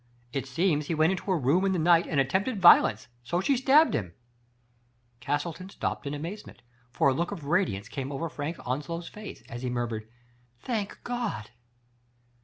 It seems he went into her room in the night and attempted violence, so she stabbed him " Castleton stopped in amazement, for a look of radiance came over Frank Onslow's face, as he murmured " Thank God